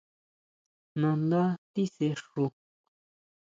Nandá tisexu.